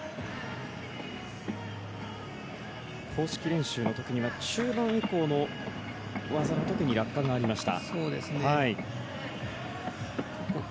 公式練習の時には中盤以降の技で落下がありました。